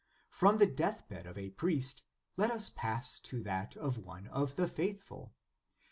* From the death bed of a priest let us pass to that of one of the faithful.